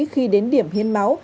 khi đến điểm hiên máu